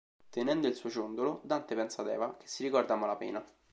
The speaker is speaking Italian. Tenendo il suo ciondolo, Dante pensa ad Eva, che si ricorda a malapena.